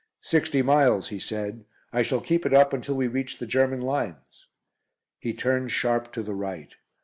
"Sixty miles," he said. "I shall keep it up until we reach the German lines." He turned sharp to the right.